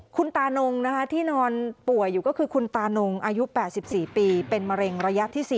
คุณตานงที่นอนป่วยอยู่ก็คือคุณตานงอายุ๘๔ปีเป็นมะเร็งระยะที่๔